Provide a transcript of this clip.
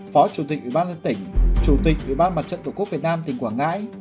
phó chủ tịch ủy ban nhân tỉnh chủ tịch ủy ban mặt trận tổ quốc việt nam tỉnh quảng ngãi